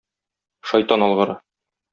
Шайтан алгыры!